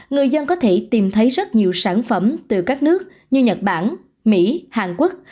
người dân có thể tìm thấy rất nhiều sản phẩm từ các nước như nhật bản mỹ hàn quốc